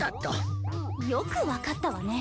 よく分かったわね。